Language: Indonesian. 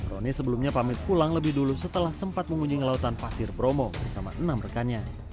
roni sebelumnya pamit pulang lebih dulu setelah sempat mengunjungi lautan pasir bromo bersama enam rekannya